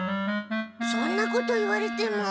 そんなこと言われても。